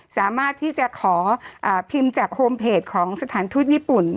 สามารถที่จะขอพิมพ์จากโฮมเพจของสถานทูตญี่ปุ่น